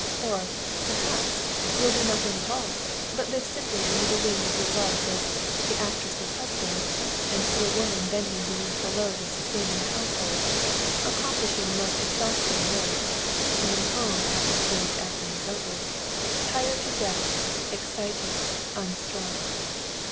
Or, perhaps, you'll do nothing at all, but live simply under the wing of your wife as 'the actress's husband,' and see a woman bending beneath the load of sustaining a household accomplishing the most exhausting work; coming home after her day's acting is over, tired to death, excited, unstrung.